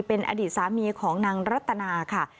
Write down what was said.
เป็นอดีตสามีของนางรัตนาค่ะ